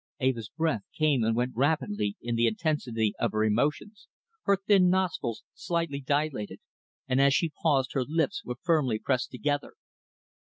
Eva's breath came and went rapidly in the intensity of her emotions, her thin nostrils slightly dilated, and as she paused her lips were firmly pressed together.